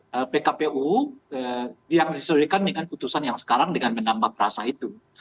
dan pkpu yang disesuaikan dengan putusan yang sekarang dengan menambah perasa itu